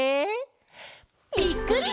ぴっくり！